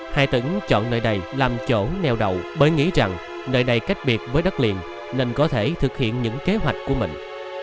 hai tửng chọn nơi này làm chỗ neo đậu bởi nghĩ rằng nơi này cách biệt với đất liền nên có thể thực hiện những kế hoạch của mình